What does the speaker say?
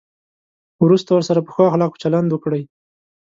وروسته ورسره په ښو اخلاقو چلند وکړئ.